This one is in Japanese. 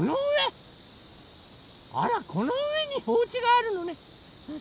あらこのうえにおうちがあるのね。